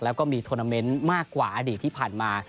แล้วก็มีโทรนาเมนต์มากกว่าอดีตที่ผ่านมา